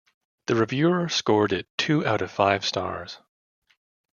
The reviewer scored it two out of five stars.